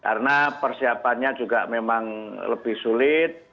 karena persiapannya juga memang lebih sulit